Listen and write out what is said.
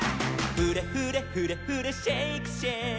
「フレフレフレフレシェイクシェイク」